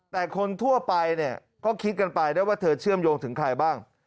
แต่คนทั่วไปเนี่ยก็คิดกันไปได้ว่าเธอเชื่อมโยงถึงใครบ้าง